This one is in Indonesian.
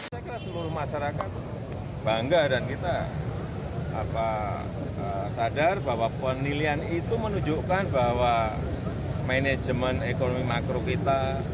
saya kira seluruh masyarakat bangga dan kita sadar bahwa penilaian itu menunjukkan bahwa manajemen ekonomi makro kita